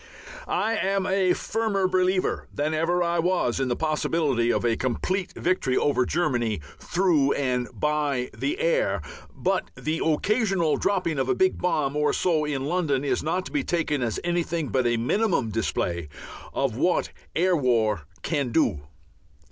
I am a firmer believer than ever I was in the possibility of a complete victory over Germany through and by the air. But the occasional dropping of a big bomb or so in London is not to be taken as anything but a minimum display of what air war can do.